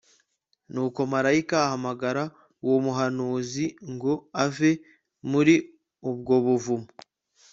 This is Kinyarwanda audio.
Nuko marayika ahamagara uwo muhanuzi ngo ave muri ubwo buvumo